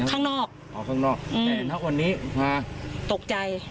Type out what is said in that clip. ข้างนอกอ๋อข้างนอกแต่เห็นณวันนี้มาตกใจ